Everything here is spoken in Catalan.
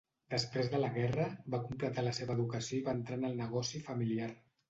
Després de la guerra, va completar la seva educació i va entrar en el negoci familiar.